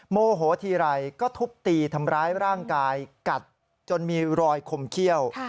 โมโหทีไรก็ทุบตีทำร้ายร่างกายกัดจนมีรอยคมเขี้ยว